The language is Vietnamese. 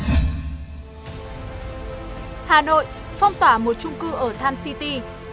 hà nội phong tỏa một trung cư ở times city